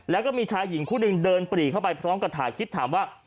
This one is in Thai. แล้วก็มีชายหญิงคู่หนึ่งเดินปรีเข้าไปพร้อมกับถ่ายคลิปถามว่า